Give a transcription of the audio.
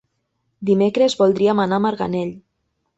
Dimecres voldríem anar a Marganell.